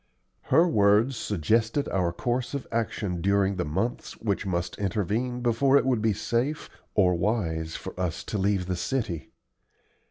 Her words suggested our course of action during the months which must intervene before it would be safe or wise for us to leave the city.